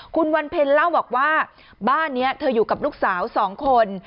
คุณวันเพ็ญเล่าบอกว่าบ้านนี้เธออยู่กับลูกสาว๒คน